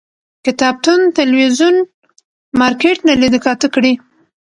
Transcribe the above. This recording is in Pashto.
کتابتون، تلویزون، مارکيټ نه لیده کاته کړي